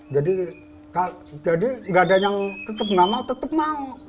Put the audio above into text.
jadi gak ada yang tetap gak mau tetap mau